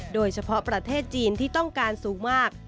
โดยเฉพาะประเทศจีนที่ต้องการสูงมาก